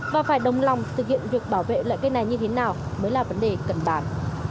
và phải đồng lòng thực hiện việc bảo vệ loại cây này như thế nào mới là vấn đề cần bàn